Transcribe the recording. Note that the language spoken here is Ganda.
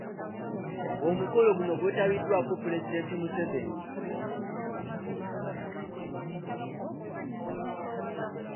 Omukolo gono gwetabiddwako Pulezidenti Museveni.